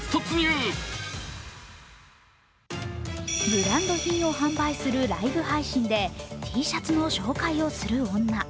ブランド品を販売するライブ配信でＴシャツの紹介をする女。